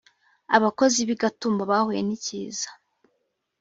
abakozi b’ i gatumba bahuye nicyiza.